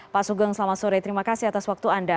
pak sugeng selamat sore terima kasih atas waktu anda